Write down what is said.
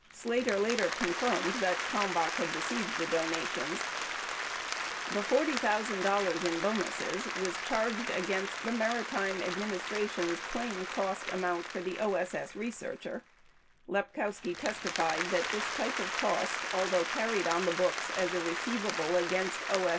Slater later con firmed that Kalmbach had received the donations. The $40,000 in bonuses was charged against the Maritime Adminis tration's claim cost account for the O.S.S. Researcher. Lepkowski tes tified that this type of cost, although carried on the books as a receiv able against O.